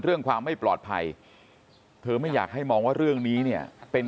เรื่องความไม่ปลอดภัยเธอไม่อยากให้มองว่าเรื่องนี้เนี่ยเป็น